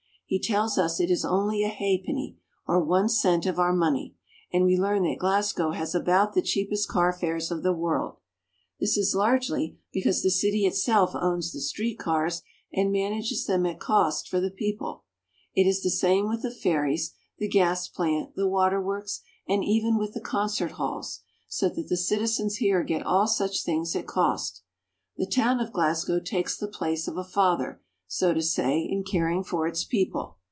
He tells us it is only a ha'penny, or one cent of our money, and we learn that Glasgow has about the cheapest car fares of the world. This is largely because the city GLASGOW AND THE CLYDE. 37 itself owns the street cars and manages them at cost for the people. It is the same with the ferries, the gas plant, the waterworks, and even with the concert halls; so that the citizens here get all such things at cost. The town of Glasgow takes the place of a father, so to say, in caring for its people.